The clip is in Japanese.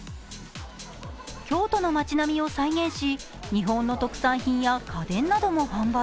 京都の町並みを再現し、日本の特産品や家電なども販売。